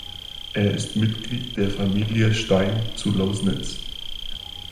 Er ist Mitglied der Familie Stein zu Lausnitz.